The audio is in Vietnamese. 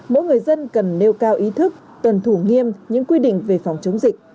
mỗi người dân cần nêu cao ý thức tuân thủ nghiêm những quy định về phòng chống dịch